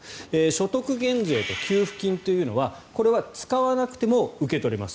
所得減税と給付金というのは使わなくても受け取れます。